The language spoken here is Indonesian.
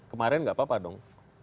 kemarin nggak apa apa dong